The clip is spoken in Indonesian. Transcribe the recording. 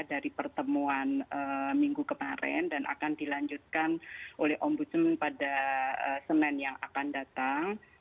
dari pertemuan minggu kemarin dan akan dilanjutkan oleh ombudsman pada senin yang akan datang